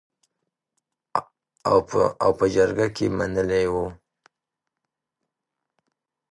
او په جرګه کې منلې وو .